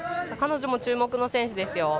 彼女も注目の選手ですよ。